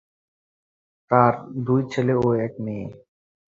তার দুই ছেলে ও এক মেয়ে।